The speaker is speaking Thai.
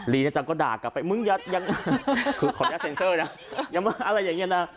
ลีน่าจังก็ด่ากลับไปมึงยังหมขอก๋อเดี๋ยวเซ็นเซลร์อ่าอะไรอย่างเงี้ยนอ่ะ